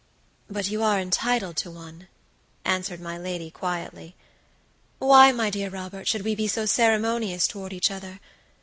"But you are entitled to one," answered my lady, quietly. "Why, my dear Robert, should we be so ceremonious toward each other?